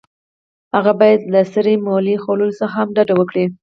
هغه باید له سرې مولۍ خوړلو څخه هم ډډه وکړي.